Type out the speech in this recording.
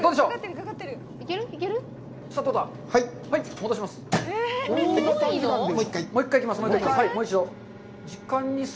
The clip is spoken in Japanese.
戻します。